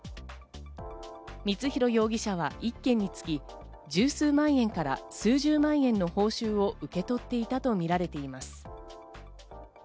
光弘容疑者は１件につき１０数万円から数十万円の報酬を受け取っていたとみられています。